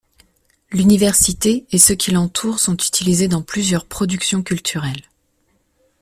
L'université et ce qui l'entoure sont utilisés dans plusieurs productions culturelles.